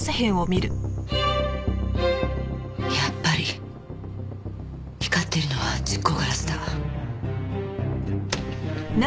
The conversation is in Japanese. やっぱり光ってるのは蓄光ガラスだ。